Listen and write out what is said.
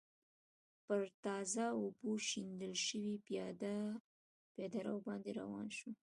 پر تازه اوبو شیندل شوي پېاده رو باندې روان شوم.